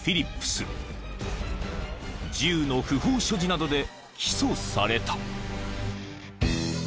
［銃の不法所持などで起訴された］